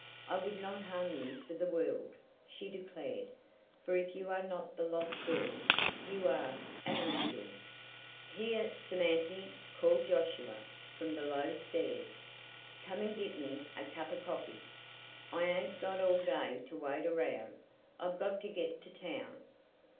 "I would not harm you for the world," she declared, "for if you are not the lost girl you are an angel!" "Here, Samanthy!" called Josiah, from below stairs. "Come and git me a cup of coffee. I ain't got all day to wait around! I've got to git to town!"